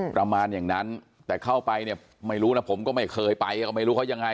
ประมาณอย่างนั้นแต่เข้าไปเนี่ยไม่รู้นะผมก็ไม่เคยไปก็ไม่รู้เขายังไง